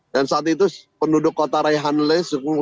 dan saat itu penduduk kota raihanle semua